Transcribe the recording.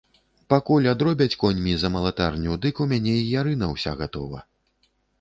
Пакуль адробяць коньмі за малатарню, дык у мяне і ярына ўся гатова.